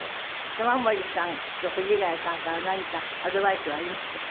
玉森さんと藤ヶ谷さんから何かアドバイスはありました？